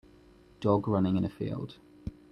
Dog running in a field.